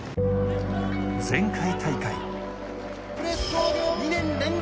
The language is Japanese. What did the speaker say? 前回大会。